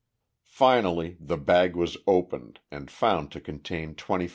Finally the bag was opened, and found to contain $25,000.